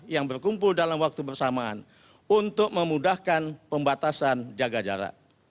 yang berkumpul dalam waktu bersamaan untuk memudahkan pembatasan jaga jarak